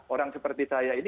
orang seperti saya ini